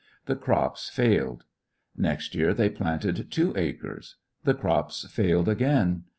The crops failed, Next year they planted two acres The crops failed again.